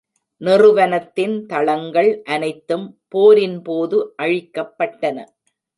நிறுவனத்தின் தளங்கள் அனைத்தும் போரின் போது அழிக்கப்பட்டன.